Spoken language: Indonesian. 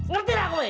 ngerti nggak kue